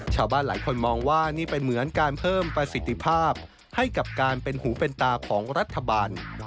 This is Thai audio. ชาวบ้านหลายคนมองว่านี่เป็นเหมือนการเพิ่มประสิทธิภาพให้กับการเป็นหูเป็นตาของรัฐบาล